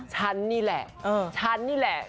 ฉันนี่แหละฉันนี่แหละ